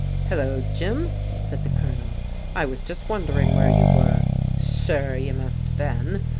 "Hello, Jim," said the Colonel. "I was just wondering where you were." "Sure, you must have been!"